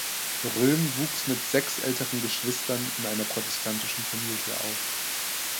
Röhm wuchs mit sechs älteren Geschwistern in einer protestantischen Familie auf.